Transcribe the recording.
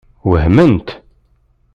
Wehment?